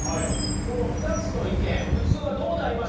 この２つの意見普通はどうなります？